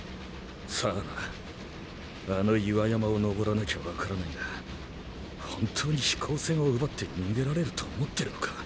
さぁなあの岩山を登らなきゃわからないが本当に飛行船を奪って逃げられると思ってるのか？